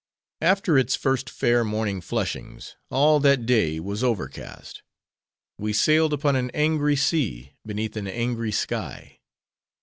After its first fair morning flushings, all that day was overcast. We sailed upon an angry sea, beneath an angry sky.